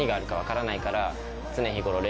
常日頃。